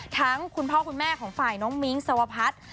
คุณพ่อคุณแม่ของฝ่ายน้องมิ้งสวพัฒน์